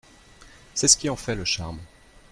C’est ce qui en fait le charme.